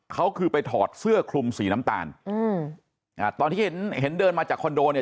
เขาคือไปถอดเสื้อคลุมสีน้ำตาลอืมอ่าตอนที่เห็นเห็นเดินมาจากคอนโดเนี่ย